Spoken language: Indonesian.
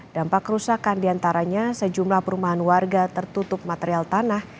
dampak kerusakan diantaranya sejumlah perumahan warga tertutup material tanah